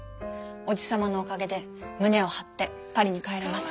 おじ様のおかげで胸を張ってパリに帰れます。